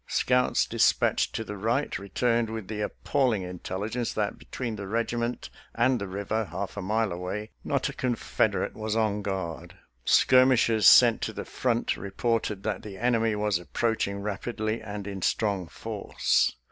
Scouts dispatched to the right returned with the appalling intelligence that between the regiment and the river, half a mile away, not a Confeder ate was on guard; skirmishers sent to the front reported that the enemy was approaching rap idly and in strong force.